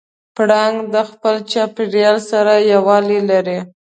پړانګ د خپل چاپېریال سره یووالی لري.